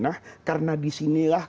madinah karena disinilah